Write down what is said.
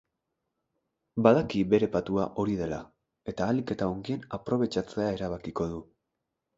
Badaki bere patua hori dela eta ahalik eta ongien aprobetxatzea erabakiko du.